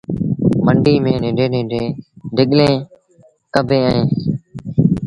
منڊيٚ ميݩ ننڍيٚݩ ننڍيٚݩ ڍڳليٚن ڪبيٚن اوهيݩ